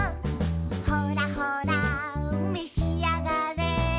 「ほらほらめしあがれ」